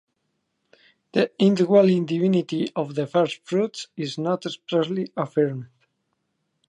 The indwelling divinity of the first fruits is not expressly affirmed.